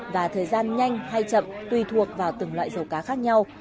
và thời gian nhanh hay chậm tùy thuộc vào từng loại dầu cá khác nhau